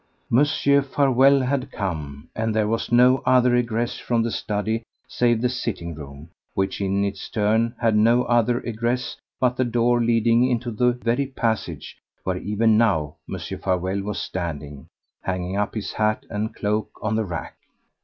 Mr. Farewell had come home, and there was no other egress from the study save the sitting room, which in its turn had no other egress but the door leading into the very passage where even now Mr. Farewell was standing, hanging up his hat and cloak on the rack.